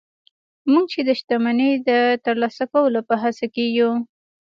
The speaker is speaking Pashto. موږ چې د شتمني د ترلاسه کولو په هڅه کې يو.